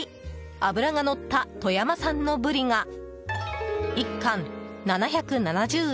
脂がのった富山産のブリが１貫７７０円。